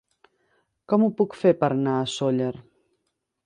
Com ho puc fer per anar a Sóller?